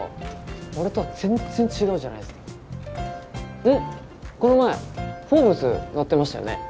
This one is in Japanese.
俺とは全然違うじゃないですかうんっこの前「Ｆｏｒｂｅｓ」載ってましたよね